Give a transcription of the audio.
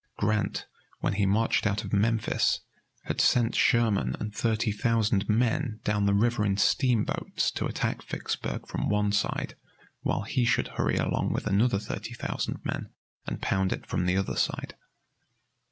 Grant, when he marched out of Memphis, had sent Sherman and thirty thousand men down the river in steamboats to attack Vicksburg from one side while he should hurry along with another thirty thousand men and pound it from the other side.